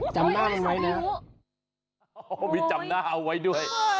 จำหน้ามันไว้นะโอ้มีจำหน้าเอาไว้ด้วย